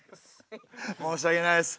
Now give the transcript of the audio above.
申し訳ないです。